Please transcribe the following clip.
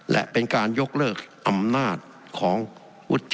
และเป็นการยกเลิกอำนาจของวุฒิ